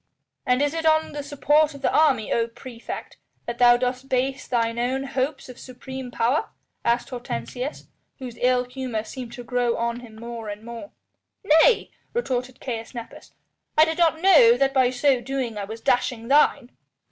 "And is it on the support of the army, O praefect! that thou dost base thine own hopes of supreme power?" asked Hortensius, whose ill humour seemed to grow on him more and more. "Nay!" retorted Caius Nepos, "I did not know that by so doing I was dashing thine!"